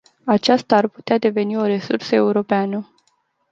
Aceasta ar putea deveni o resursă europeană.